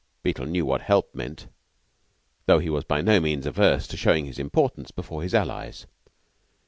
Beetle knew what help meant, though he was by no means averse to showing his importance before his allies.